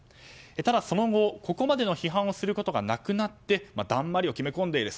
ただ、その後、ここまでの批判をすることがなくなってだんまりを決め込んでいる。